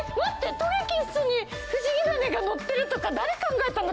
トゲキッスにフシギダネが乗ってるとか誰考えたの？